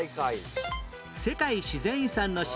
世界自然遺産の島